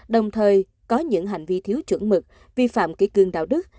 đồng thời có những hành vi thiếu chuẩn mực vi phạm kỷ cương đạo đức